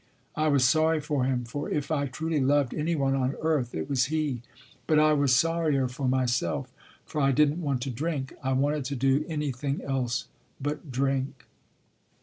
I was sorry for him, for if I truly loved any one on earth it was he. But I was At Two Forks sorrier for myself, for I didn t want to drink. I wanted to do anything else but drink.